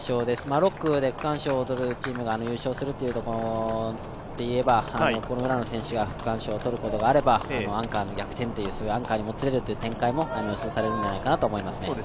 ６区で区間賞を取るチームが優勝するというところで言えば浦野選手が区間賞を取ることがあれば、アンカーにもつれる展開も予想されるんじゃないかと思います。